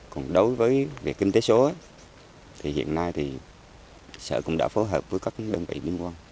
còn đối với việc kinh tế số hiện nay sở cũng đã phối hợp với các đơn vị liên quan